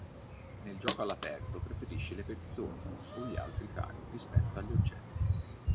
Nel gioco all'aperto preferisce le persone o gli altri cani rispetto agli oggetti.